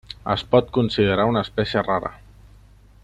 Es pot considerar una espècie rara.